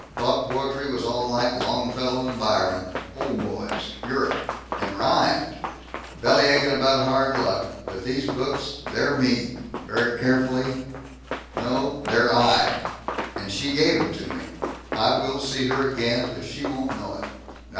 Thought poetry was all like Longfellow and Byron. Old boys. Europe. And rhymed bellyachin' about hard luck. But these books they're me." Very carefully: "No; they're I! And she gave 'em to me! I will see her again! But she won't know it.